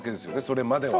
それまでは。